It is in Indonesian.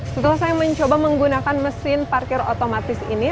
setelah saya mencoba menggunakan mesin parkir otomatis ini